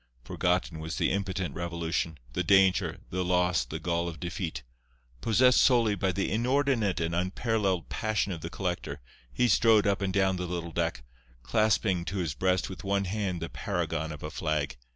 Forgotten was the impotent revolution, the danger, the loss, the gall of defeat. Possessed solely by the inordinate and unparalleled passion of the collector, he strode up and down the little deck, clasping to his breast with one hand the paragon of a flag.